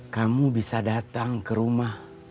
kamu bisa datang ke rumah